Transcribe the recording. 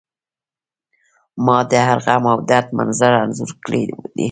ما د هر غم او درد منظر انځور کړی دی